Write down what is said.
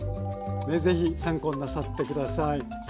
是非参考になさって下さい。